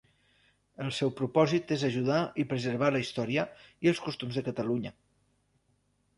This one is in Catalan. El seu propòsit és ajudar i preservar la història i els costums de Catalunya.